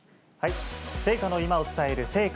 聖火の今を伝える聖火